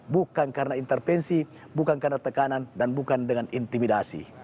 bukan karena intervensi bukan karena tekanan dan bukan dengan intimidasi